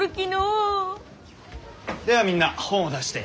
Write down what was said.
ではみんな本を出して。